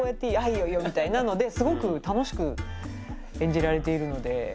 「いいよいいよ」みたいなのですごく楽しく演じられているので。